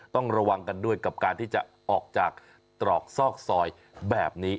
ต้องระวังกันด้วยกับการที่จะออกจากตรอกซอกซอยแบบนี้